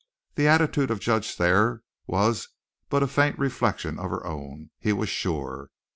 The attitude of Judge Thayer was but a faint reflection of her own, he was sure.